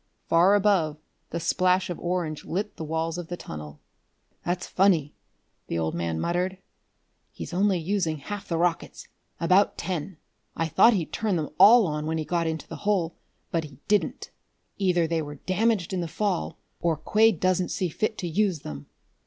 Far above, the splash of orange lit the walls of the tunnel. "That's funny!" the old man muttered. "He's only using half the rockets about ten. I thought he'd turn them all on when he got into the hole, but he didn't. Either they were damaged in the fall, or Quade doesn't see fit to use them."